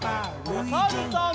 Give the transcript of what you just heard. おさるさん。